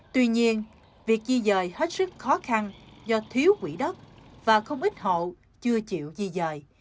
tuy nhiên việc di dời hết sức khó khăn do thiếu quỹ đất và không ít hộ chưa chịu di dời